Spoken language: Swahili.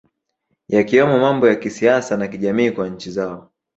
Yakiwemo mambo ya kisiasa na kijamii kwa nchi zao